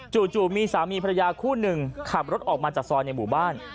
จู่มีสามีภรรยาคู่หนึ่งขับรถออกมาจากซอยในหมู่บ้าน